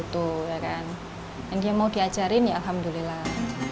dan dia mau diajarin ya alhamdulillah